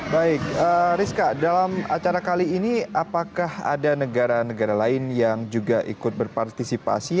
baik rizka dalam acara kali ini apakah ada negara negara lain yang juga ikut berpartisipasi